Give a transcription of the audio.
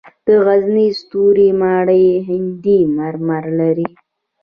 د غزني ستوري ماڼۍ هندي مرمر لري